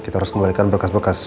kita harus kembalikan berkas berkas